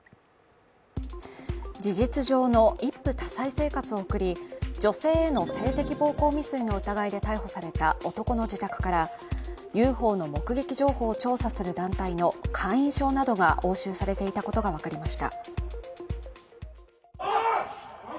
事実上の一夫多妻生活を送り、女性への性的暴行未遂の疑いで逮捕された男の自宅からＵＦＯの目撃情報を調査する団体の会員証などが押収されていたことが分かりました。